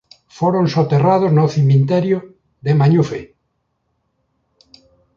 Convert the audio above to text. Foron soterrados no cemiterio de Mañufe.